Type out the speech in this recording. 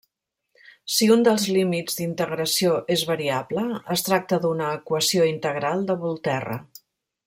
Si un dels límits d'integració és variable, es tracta d'una equació integral de Volterra.